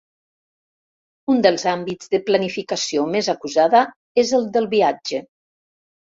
Un dels àmbits de planificació més acusada és el del viatge.